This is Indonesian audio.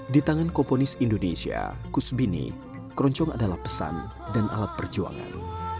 di tangan komponis indonesia kusbini keroncong adalah pesan dan alat perjuangan